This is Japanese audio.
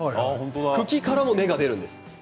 茎からも根が出るんです。